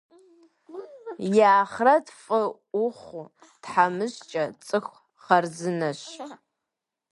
И ахърэт фӏы ухъу, тхьэмыщкӏэ, цӏыху хъарзынащ.